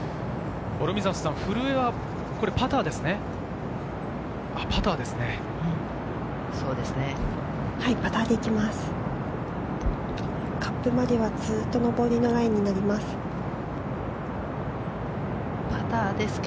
古江はパターですね。